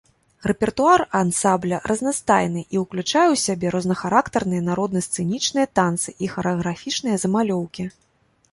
Рэпертуар ансамбля разнастайны, і ўключае ў сябе рознахарактарныя народна-сцэнічныя танцы і харэаграфічныя замалёўкі.